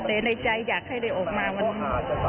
แต่ในใจอยากให้ได้ออกมาวันนี้